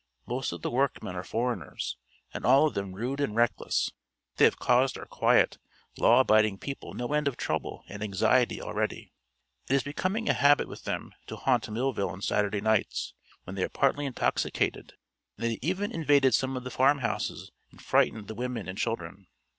Most of the workmen are foreigners, and all of them rude and reckless. They have caused our quiet, law abiding people no end of trouble and anxiety already. It is becoming a habit with them to haunt Millville on Saturday nights, when they are partly intoxicated, and they've even invaded some of the farmhouses and frightened the women and children.